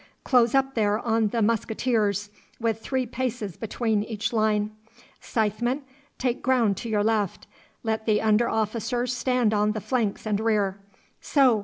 Close up there on the musqueteers, with three paces between each line. Scythesmen, take ground to your left. Let the under officers stand on the flanks and rear. So!